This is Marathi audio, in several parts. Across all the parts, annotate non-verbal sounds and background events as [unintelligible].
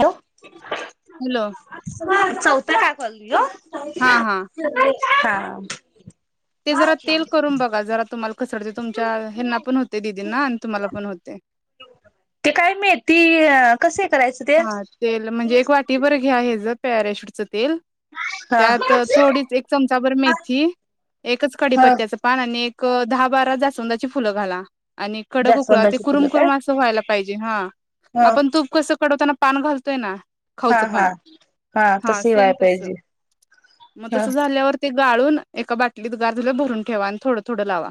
हॅलो हॅलो हा चौ दहा कॉल ह्या हा हा [unintelligible] हा ते जरा तेल करून बघा जरा तुम्हाल कस वाटतं तुमच्या हेंना पण होते दीदींना आणि तुम्हाला पण होते ते काय मेहती कसे करायचं ते हा तेल म्हणजे एक वाटी बरं घ्या हे ज पॅरेशूटच तेल हा त्यात थोडीच एक चमचा भर मेथी एकच ह कडीपत्त्याचं पान आणि ए दहा बारा जाासवंदाची फुलं घाला. आणि कडक ऊकळा ते जास्वंदाची कुरुम फुलं काय कुरुम असं व्हायला लात पाहिजे हा ह आपण तूप कसं कडवताना पान घालतोय ना हा खाऊचं हा पान हा तस सेम वय तसं पाहिजे मग हा तसं झाल्यावर ते गाळून एका बाटलीत गार झालं भरून ठेवा आणि थोडं थोडं लावा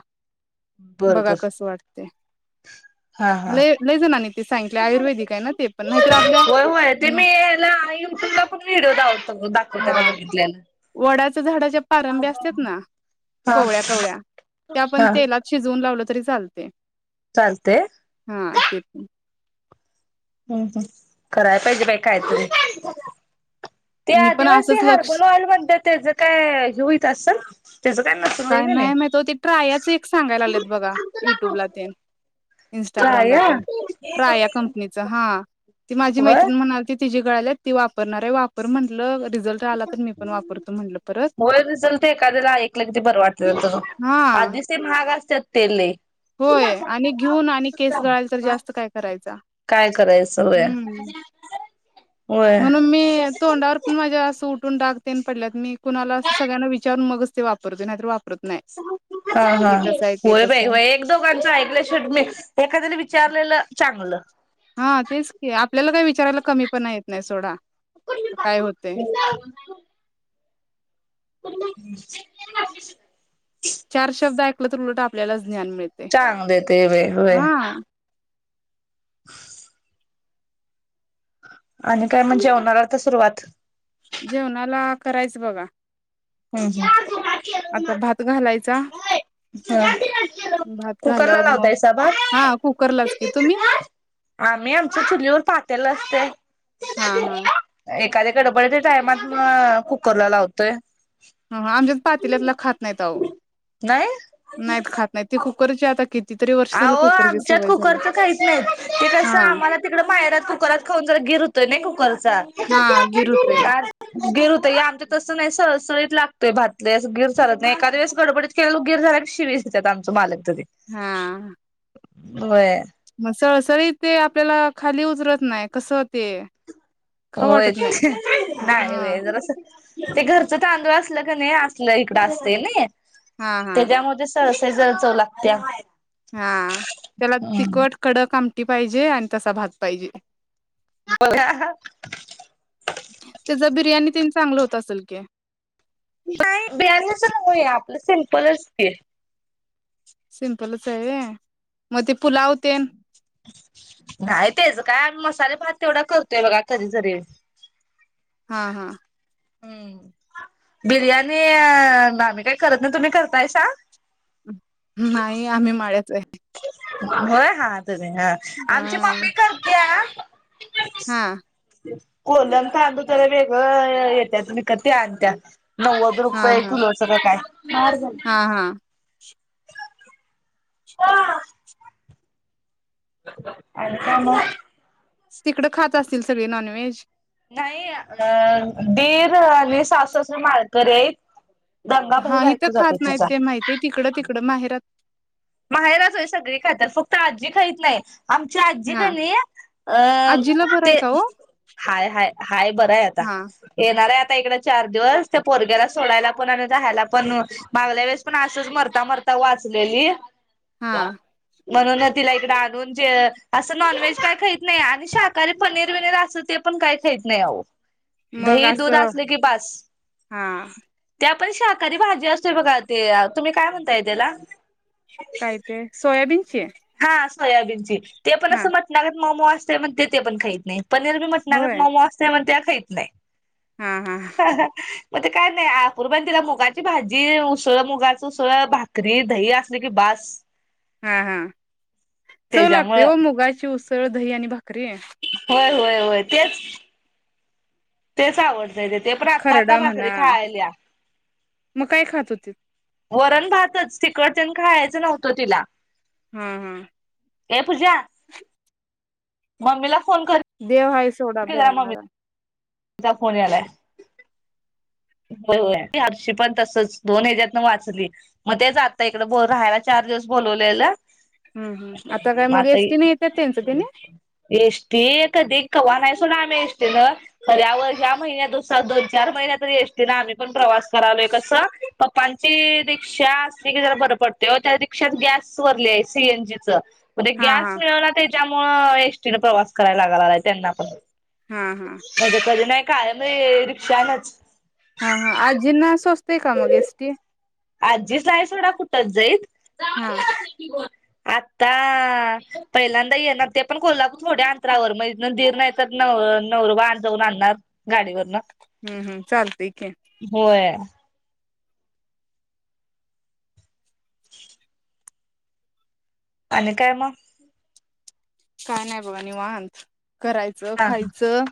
बघा बरोबर कस वाटतय हा हा लय लय जणांनी ते सांगितले आयुर्वेदिक आहे ना ते पण नाहीतर आपल्या होय होय ते अ मी याला यूट्यूब ला बगित हिरो द स दाखवता हा बघितल्याला वडाच्या झाडाच्या पारंभ्या असत ना हा कोवळ्या कवळ्या त्या आपण हा तेलात शिजवून लावल तरी चालतय चालतंय? हा ते पण हम् हम् करायला पाहिजे बाइ काय तरी ते मी पण आदिवासी असंच लक्ष हर्बल ऑइल म्हणतात त्याच काय होईत असल काय नाही म तो ते ट्रायाच एक सांगायला लागलेत बघा युट्यूबला तेन काय इन्स्टाग्रामला तेन ट्राया कंपनीच हा ती माझी होय मैत्रिणी म्हणालती ति जे गळाल्यात ती वापरणार वापर म्हटल मो चलत एखाद्याला एकल ते बर वाटत हा आधीच ते महाग असत्यात तेल लई होय आणि घेऊन आणि केस गळाल तर जास्त काय करायचा काय करायचं होय हम्म होय. म्हणून मी तोंडावर पण माझ्या सूट डाग तेन पडल्यात मी कुणाला सगळ्यांना विचारून मगच ते वापरतोय नाही तर वापर हा हा ते होय बाई कसं आहे होय एक दोघांचं ऐकलं शेट म एखाद्या विचार विचारलेलं चांगलं हा तेच की आपल्याला काय विचारायला कमी पणा येत नाही सोडा कुठली काय होतय बात हम् चार शब्द ऐकलं तर उलट आपल्यालाच ज्ञान मिळतय. चांग देते वेग वे हा आणि काय म जेवणार आता सुरुवात जेवणाला करायचं बघा ह ह आता भात घालायचा भात कुकरला झाल्यावर मग लावताय सा भात हा कुकरलाच की तुम्ही आम्ही आमच्या चुलीवर पातेल असतय हा हा एक का त्या गडबडीच्या टायमात म कुकरला लावतोय ह आमच्यात पातील्यातला खात नाहीत आहो नाही नाहीत खात नाहीत ती कुकरची आता कित आवो आमच्यात कुकरच काहीच नाहीत ते कसं हा आम्हाला तिकडं मायरात कुकरात खाऊन जरा गिर त नाही कुकर हा गिर होतोय चालत [unintelligible] गिर होतंय आमच्या तसं नाही सरळसळीत लागतोय भातले असं गिर झालत नाही एका दिेळेस गडबडीत केललू गिर झाल्यात शिवीसेतात आमच मालक हा व्हय म सळसरी ते आपल्याला खाली उतरत नाही कसं ते खाऊ वाटत होयत नाही नाही हा होय जरास ते घरचं तांदूळ असलं क नाही असलं इकडं असतय नय हा हा [unintelligible] चव लागतिया हा त्याला तिखट कडक आम टी पाहिजे आण तसा भात पाहिजे त्याचा बिर्याणी तीन चांगलं होत असल की नाही बियाणीच रंगूया आपलं सिम्पलच ते सिंपलच आहे व्हय म ते पुलाव तेन नाही तेच कायम मसाले भात तेवढा करतोय बघा कधी तरी हा हा हम्म बिर्याणी आ - अम आम्ही काही करत नाही तुम्ही करताय सा नाही आम्ही माळ्याच हे होय हा ह आमची मम्मी करते आ हा [inaudible] कोलम तांदूळ तर वेगळं येत्यात विकत ते आणत्या नव्वद हा रुपये हा किलोच का काय हा [unintelligible] हा अ ऐका ना तिकडं खात असतील सगळे नॉन वव्हेज नाही अ दीर आणि सासू सासरा मााळकरी आहेत हा गंगाबाई हथ बायको जाते खात नाहीत तिचा. ते माहितीय तिकडं तिकडं माहेरात माहेरी सगळे काय तर फक्त आज आज्जी खात नाही आमची आजी का हा नाही आजीला अ बरं आहे ते का हो हाय हाय हाय बरं आहे आता हा येणारे आता इकड चार दिवस त्या पोरग्याला सोडायला पण आणि राहायला पण मागल्या वेळेस पण असंच मरता मरता वाचलेली हा म्हणून तिला इकडे आणून जे असं नॉनव्हेज काय खात नाही आणि शाकाहारी पनीर वििनीर अस ते पण काय खात नाही अहो मग दही दूध असं असले कि बास हा ते आपण शाकाहारी भाजी असतोय बघा ते तुम्ही काय म्हणताय त्याला काय ते सोयाबीन हा सोयाबीनची ते पण हा असं म्हटणा गत मऊ मऊ असतय रस्सा मध्ये तेपण खाईत नाही पनीर बी मटणागत होय मऊ मऊ असत्यात म्हणत्यात खात नाही हा हा हाहा मग ते काय नाही अप्रूबाई तिला मुगाची भाजी उसळ मुगाचं उसळ भाकरी दही असली की बास हा हा चव लागतोय त्याच्यामुळं हो मुगाची उसळ सरळं दही आणि भाकरी आहे होय होय होय तेच तेच आवडत ते पण आता आता खरडा भाकरी म्हणा खायल्या ते वरण भात च तिखट तेन खायचं नव्हतं तिला हम्म हम् ए पूजा मम्मीला फोन कर देव हेस थोडा बनवणारा जा फोन यायलाय होय हो हरशी पण तसच दोन हच्यातन वाचली मग तेच आता इकड ब राहायला चार दिवस बोलवलेलं. हम्म हम् काय म मग आता एसटी नाही येतात त्यांचं त्याने एस टी कधी केव्हा नाही पुन्हा आम्ही एस टी न ख्यावर ह्या महिन्यातच दोन चार महिन्यातरी यष्टीनं आम्ही पण प्रवास करालोय कसं पप्पांची रिक्षा असते की जरा बर पडते त्या रिक्षात गॅस वरली आहे सीएनजी च मते हा गॅस हा मिळवला तर त्यामुळं एसटी न प्रवास करायला लागायं लागलाय त्यांना पण हा हा म्हजे कधी नाही काय म रिक्षानचं हा हा आजी ना सोसती काय मग ऐष्टी आजी नाहीच सोडा कुठचं जाईत हा आता पहिल्यांदा येणार ते पण कोल्हापुर थोड्या अंतरावर मग तिथनं नाही दीर नाही तर नव नवरोबा जाऊन आणणार गाडीवरनं हम्म हम् चालतयं की होय आणि काय मग काय नाही बघा निवांत करायचं हा हा खायचं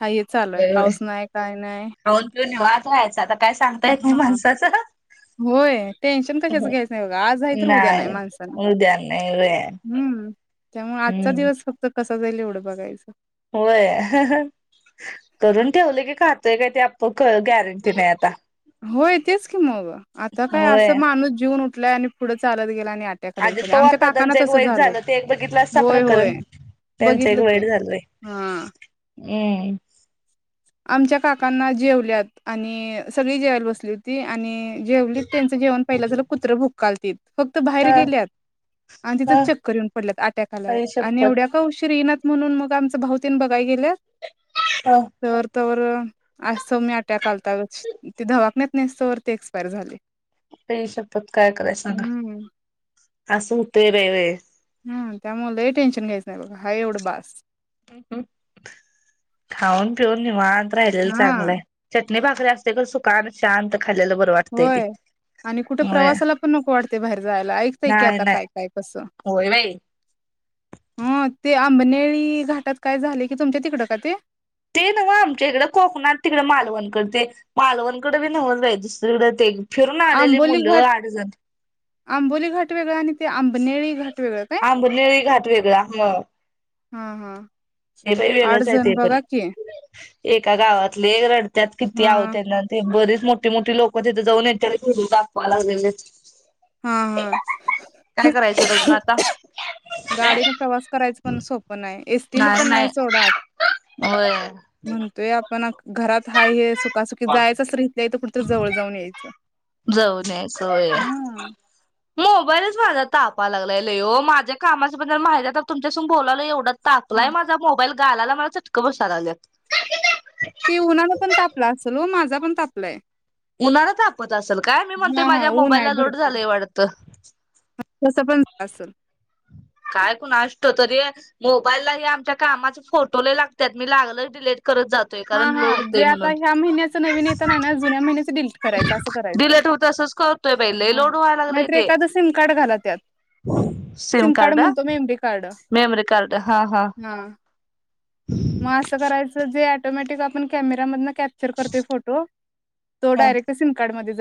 हाय हे चालूय होय होय पाऊस नाही काय नाही यचं आता काय सांगता येत नाही माणसाचं. होय टेन्शन कशाच घ्यायच नाही बघा आज आहे तर उद्या नाही माणसाला उद्या नाही होय हम्म त्यामुळे आजचा हम्म दिवस फक्त कस कसा जाईल येवढ बघायचं. होय करून ठेवलं की खातोय काय ते आपण गॅरंटी नाही आता. होय तेच की मग आता काय असं होय. माणूस जेऊन उठून उठलय आणि पुढं चालत गे अजित पवारदादांचं एक वाईट झालं ते एक बघितलंसा होय प्रकरण होय त्यांचं एक बघितलं की वाईट झालंय. हा हम आमच्या काकांना जेवल्यात आणि सगळी जेवायला बसली होती आणि जेवलीत त्यांच जेवण पहिलं झालं कुत्र भुकालतीत फक्त बाहेर ह गेल्यात आणि तिथं ह चक्कर येऊन पडल्यात ॲटॅक आलायं आई आणि शपथ एवढ्या का उशीर येइनातं म्हणून मग आमचं भाऊतेन बघाय गेल्यात [unintelligible] ह तर तवर सौम्या अटॅक आलता गं ते दवाखान्यात नेइस तवर ते एक्सपायर झाले आईशपथ काय करायच सांगा हम्म अस होतयं व्हय व्हय हम्म त्यामुळे लय टेन्शन घ्यायचं नाही आहे तेवढं बास खाऊन पिऊन निवांत राहिलेल हा चांगलं हाय च चटणी भाकरी असते खरं सुखाण शांत खाल्लेलं बरं वाटतंय ते. होय आणि कुठे होय प्रवासाला पण नको वाटते बाहेर जायला ऐकतय की नाही आता नाही काय काय कस होय बाई. ह ते अंबनेळी घाटात काय झाले की तुमच्या तिकड का ते ते नव आमच्या इकडे कोकणात तिकडे मालवणकडडे ते मालवणकडे बी न्हवच बाई दुसरीकडं ते फिरून आलेले आंबोली मुलं घाट आठजण आंबोली घाट वेगळा आणि तें आंबनेरी घाट वेगळा ह हा हा हे प आठ वेगळंचय जण ते पण बघा की एका गावातले रड त्यात किती आहो हा तना ते बरेच मोठी मोठी लोकं तिथे जाऊन येतेले व्हिडिओ दाखवा लागलेत हा हा काय करायचं रडून आता गाडीने प्रवास करायचं पण सोपं नाही तीन पण नाही सोडत होय म्हणतोय आपण घरात हाय हे सुखासुखी जायचच असलं तर हितल्या हित कुट जवळ जाऊन यायचं जाऊन यायचं होय मोबाईल माझा तापा लागलाय ल हो माझ्या कामाबद्दल माहिती तर तुमच्यासंग बोलालोय एवढं हा तापलाय माझा मोबाईल गालाला मला चटक बसायला लागल्यात [unintelligible] ते उन्हाला पण तापला असेल हो माझा पण तापलंय उन्हाच आपत असल काय मी म्हणतोय हा हा माझ्या ऊन आहे मोबाईलला लोड झालंय वाटत तस पण असेल काय कुना स्टो तरी मोबाईललाही आमच्या कामाचे फोटो लइ लागत्यात मी लागलच डिलीट करत जातोय हा कारण हा लोड होतय जे आता म्हणून ह्या महिन्याचं नवीन येतं नाही ना जुन्या महिन्याचं डिलीट करायचं असं करायचं. डिलेट होतसच करतोय पहिले लई हा. लोड व्हायला लागलय नाहीतर ते एखादं सिम कार्ड घाला त्यात सिम कार्ड म्हणतो मेमरी कार्ड. मेमरी कार्ड हा हा मग असं करायचं जे ऑटोमॅटिक आपण कॅमेरामधन कॅप्चर करतोय फोटो तो हा डायरेक्ट सिम कार्ड मधेच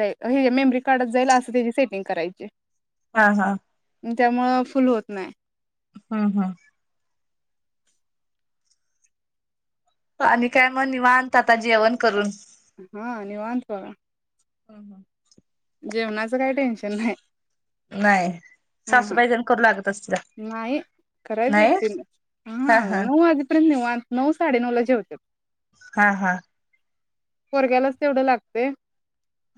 मेमरी कार्ड जाईल असं त्याची सेटिंग करायची हा हा त्यामुळ फुल होत नाही हम्म हम्म आणि काय मग निवांत आता जेवण करून हा निवांत बघा हंं हं जेवणाचं काही टेन्शन नाही नाही हा हा सासूबाईजण करू लागत असतील नाही करायचं नाही एकटीनच हा नऊ हा नऊ वाजेपर्यंतऊ निवांत नऊ साडे नऊला जेवतात हा हा पोरग्यालाच तेवढं लागतय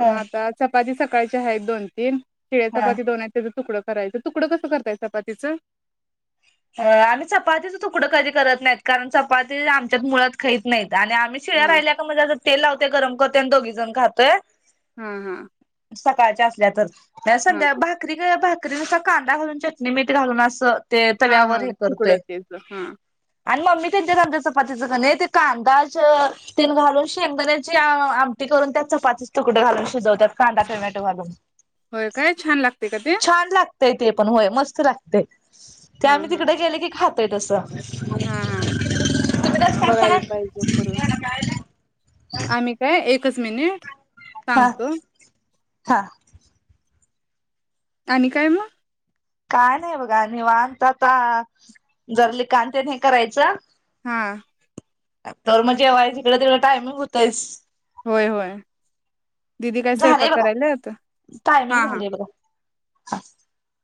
ह मग आता चपती स कालच्या आहेत दोन तीन शिळे हा चपाती दोन आहेत तेज तुकड करायचं तुकडं कसं करताय चपातीचं? आम्ही चपातीच तुकडं कधी करत नाहीत कारण चपाती आमच्यात मुळात खाईत नाहीत आणि आम्ही शिळ्या हा राहिल्या का म्हणजे असं तेल लावतोत गरम [inaudible] दोघी जण खातोय हम्म हम्म सकाळच्या असल्या तर नाही संध्याकाळी भाकरी ग भात ते नुसता कांदा घालून चटणी मीठ घालून अस हा हा तुकड तेच हा आणि मम्मी कधीतरी आमच्या चपातीचं की नई ते कांदा तेल घालून शेंगगण्याची आमटी करून त्यात चपातीचे तुकडे घालून शिजवत्यात कांदा टोमॅटो घालून होय काय छान लागते का ते? छान लागतंय ते पण होय मस्त लागतय ते हा आम्ही हा तिकडे गेले की खात ते तसं हा हा तुम्ही कसं बघायला करताय पाहिजे करून आम्ही काय एकच मिनिट हा सांगतो हा आणि काय मग? काय नाही बघा निवांत आता जर ली कांतेन नाही करायचं हा तर मग जेवायला तिकडे तेवढं टाइमिंग होतयच होय होय दिदी काय स्वयंपाक झालंय बघा करायल्यात? टायमिंग हा हा झालंय [inaudible]